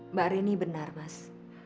mbak rini benar mas